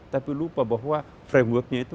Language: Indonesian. tapi lupa bahwa frameworknya itu